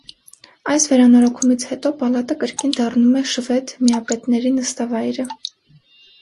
Այս վերանորոգումից հետո պալատը կրկին դառնում է շվեդ միապետների նստավայրը։